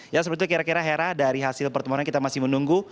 ya seperti itu kira kira hera dari hasil pertemuan kita masih menunggu